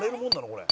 これ」